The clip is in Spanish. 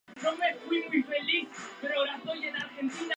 Probablemente cada especie se alimentaba de distintos tipos de peces.